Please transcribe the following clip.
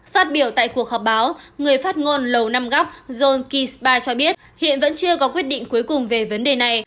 phát biểu tại cuộc họp báo người phát ngôn lầu năm góc john kisba cho biết hiện vẫn chưa có quyết định cuối cùng về vấn đề này